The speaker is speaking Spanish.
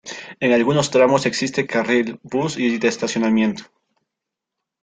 En algunos tramos existe carril bus y de estacionamiento.